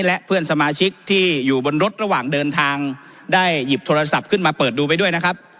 และเพื่อนสมาชิกที่อยู่บนรถระหว่างเดินทางได้หยิบโทรศัพท์ขึ้นมาเปิดดูไปด้วยนะครับ